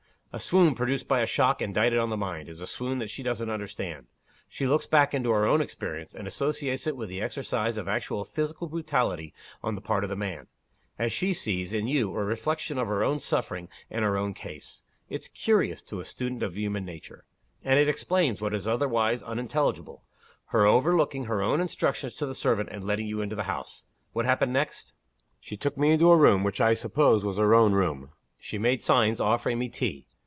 A swoon produced by a shock indicted on the mind, is a swoon that she doesn't understand. She looks back into her own experience, and associates it with the exercise of actual physical brutality on the part of the man. And she sees, in you, a reflection of her own sufferings and her own case. It's curious to a student of human nature. And it explains, what is otherwise unintelligible her overlooking her own instructions to the servant, and letting you into the house. What happened next?" "She took me into a room, which I suppose was her own room. She made signs, offering me tea.